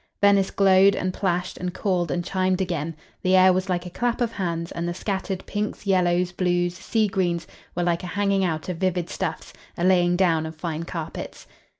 Venice glowed and plashed and called and chimed again; the air was like a clap of hands, and the scattered pinks, yellows, blues, sea greens, were like a hanging out of vivid stuffs, a laying down of fine carpets.